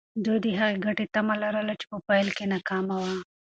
دوی د هغې ګټې تمه لرله چې په پیل کې ناممکنه وه.